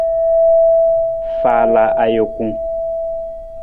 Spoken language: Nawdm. Faala ajuku.